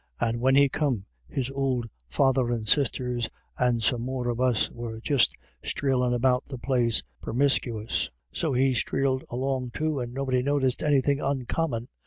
And when he come, his ould father and sisters and some more of us were just streelin' about the place permiscuous, so he streeled along too, and nobody noticed anythin' oncommon.